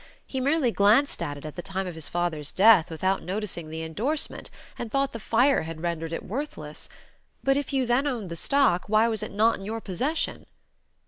He merely glanced at it at the time of his father's death, without noticing the endorsement, and thought the fire had rendered it worthless. But if you then owned the stock, why was it not in your possession?"